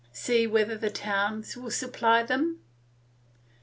See whether the towns will supply them?